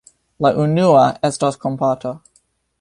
La unua estas kompato.